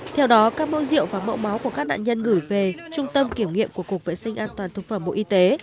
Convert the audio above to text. theo đó các mẫu rượu và mẫu máu của các nạn nhân gửi về trung tâm kiểm nghiệm của cục vệ sinh an toàn thực phẩm bộ y tế